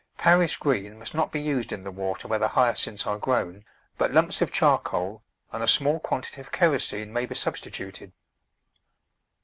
Paris green must not be used in the water where the Hyacinths are grown, but lumps of charcoal and a small quantity of kero sene may be substituted.